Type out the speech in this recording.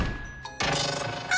あ！